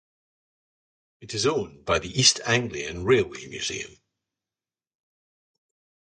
It is owned by the East Anglian Railway Museum.